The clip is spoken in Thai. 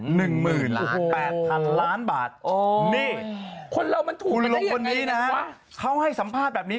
๑หมื่น๘พันล้านบาทคนเรามันถูกมาได้ยังไงคนหลงคนนี้เขาให้สัมภาพแบบนี้